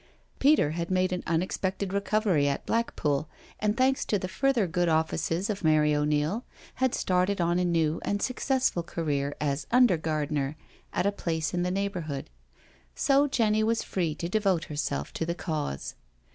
Peter had made an unexpected recovery at Black pool, and, thanks to the further good offices of Mary O'Neil, had started on a new and successful career as under gardener at a place in the neighbourhood. So Jenny was free to devote herself to the Cause.